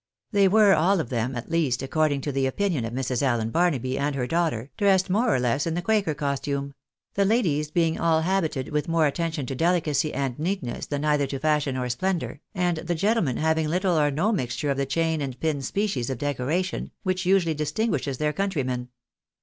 They Avere all of them, at least, according to the opinion of Mrs. Allen Barnaby and her daughter, dressed more or less in the Quaker costume ; the ladies being all habited with more attention to delicacy and neatness than either to fashion or splendour, and the gentlemen having little or no mixture of the chain and pin species of decoration, which usually distinguishes their countrymen.